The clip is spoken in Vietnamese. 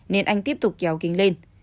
nên anh tiếp tục kéo kính lên